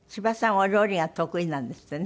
お料理が得意なんですってね。